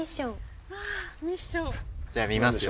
じゃあ見ますよ。